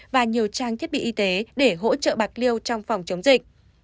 và nhiều trang thiết bị y tế để hỗ trợ bạc liêu trong phòng chống dịch